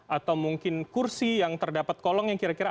atau mungkin kursi yang terdapat kolong yang kira kira